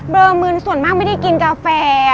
เริ่มึนส่วนมากไม่ได้กินกาแฟ